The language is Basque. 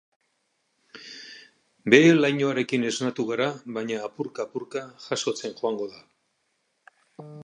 Behe-lainoarekin esnatuko gara baina apurka-apurka jasotzen joango da.